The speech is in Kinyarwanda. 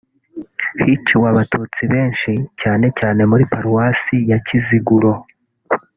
hiciwe Abatutsi benshi cyane cyane muri Paruwasi ya Kiziguro